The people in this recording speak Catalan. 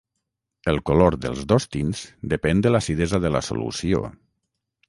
El color dels dos tints depèn de l'acidesa de la solució.